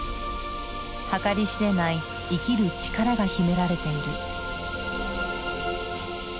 計り知れない生きる力が秘められている。